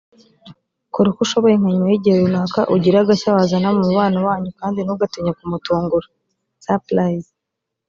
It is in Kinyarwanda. kora uko ushoboye nka nyuma y’igihe runaka ugire agashya wazana mu mubano wanyu kandi ntugatinye kumutungura (surprise)